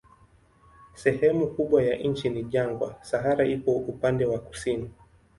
Sehemu kubwa ya nchi ni jangwa, Sahara iko upande wa kusini.